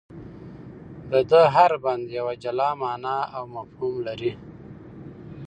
د ده هر بند یوه جلا مانا او مفهوم لري.